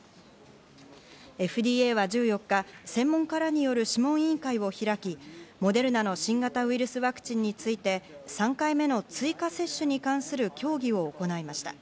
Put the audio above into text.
ＦＤＡは１４日、専門家らによる諮問委員会を開き、モデルナの新型ウイルスワクチンについて、３回目の追加接種に関する協議を行いました。